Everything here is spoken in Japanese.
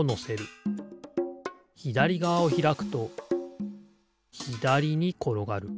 ひだりがわをひらくとひだりにころがる。